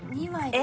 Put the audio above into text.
え！